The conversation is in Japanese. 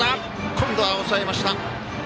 今度は抑えました。